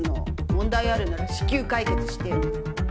問題あるなら至急解決してよね。